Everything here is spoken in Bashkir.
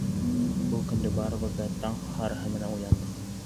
Был көндө барыбыҙ да таң һарыһы менән уяндыҡ.